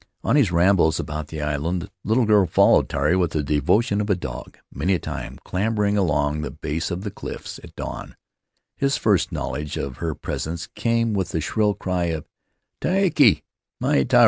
On his rambles about the island the little girl followed Tari with the devotion of a dog; many a time, clamber ing along the base of the cliffs at dawn, his first knowl edge of her presence came with the shrill cry of, " Tiake mai, Tari!"